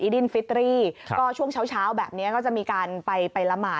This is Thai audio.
ดิ้นฟิตรีก็ช่วงเช้าแบบนี้ก็จะมีการไปละหมาด